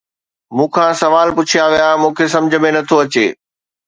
مون کان سوال پڇيا ويا، مون کي سمجھ ۾ نه ٿو اچي